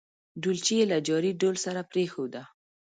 ډولچي یې له جاري ډول سره پرېښوده.